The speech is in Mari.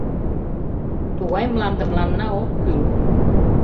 Тугай мланде мыланна ок кӱл.